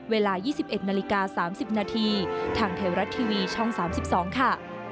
เวลา๒๑นาฬิกา๓๐นาทีทางไทยรัฐทีวีช่อง๓๒ค่ะ